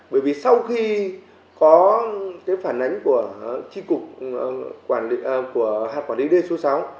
bởi vì sau khi có cái phản ánh của chi cục của hạt quản lý đê số sáu